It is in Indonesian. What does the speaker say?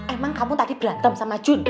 emang kamu tadi berantem sama junda